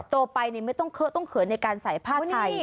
โตไปก็ไม่ต้องเข้าในการใส่ผ้าไทย